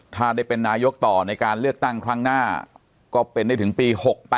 ถ้าได้เป็นนายกต่อในการเลือกตั้งครั้งหน้าก็เป็นได้ถึงปี๖๘